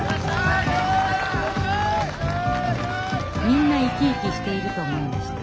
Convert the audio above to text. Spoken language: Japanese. みんな生き生きしていると思いました。